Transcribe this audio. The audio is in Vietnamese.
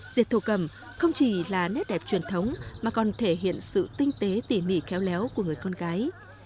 dệt thổ cầm không chỉ là nét đẹp truyền thống mà còn thể hiện sự tinh tế tỉ mỉ khéo léo của người con gái